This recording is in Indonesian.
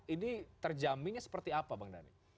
ini terjaminnya seperti apa bang dhani